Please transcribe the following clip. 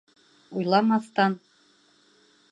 Уйламаҫтан...